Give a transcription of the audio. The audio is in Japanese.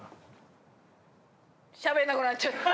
しゃべんなくなっちゃった！